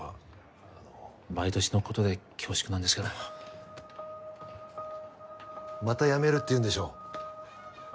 あの毎年のことで恐縮なんですけどまた「辞める」って言うんでしょ？